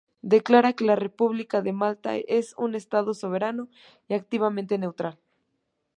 Declara que la República de Malta es un estado soberano y activamente neutral.